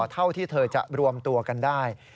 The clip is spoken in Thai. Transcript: เท่าที่เธอจะรวมตัวกันได้